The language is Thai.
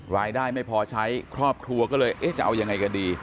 ไม่พอใช้ครอบครัวก็เลยเอ๊ะจะเอายังไงกันดี